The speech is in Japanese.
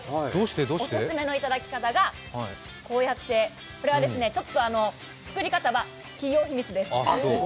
オススメのいただき方が、こうやって、作り方は企業秘密です。